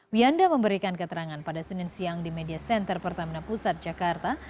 wianda memberikan keterangan pada senin siang di media center pertamina pusat jakarta